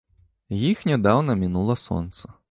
Іх нядаўна мінула сонца.